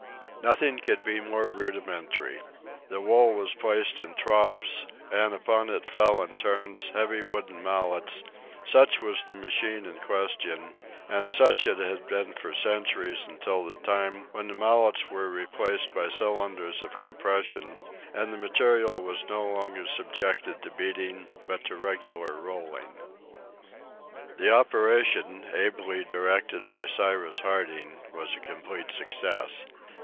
Nothing could be more rudimentary. The wool was placed in troughs, and upon it fell in turns heavy wooden mallets; such was the machine in question, and such it had been for centuries until the time when the mallets were replaced by cylinders of compression, and the material was no longer subjected to beating, but to regular rolling. The operation, ably directed by Cyrus Harding, was a complete success.